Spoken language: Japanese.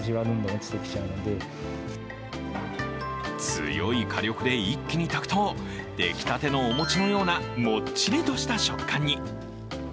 強い火力で一気に炊くと、出来たてのお餅のようなもっちりとした食感に。